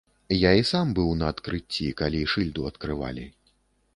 Я і сам быў на адкрыцці, калі шыльду адкрывалі.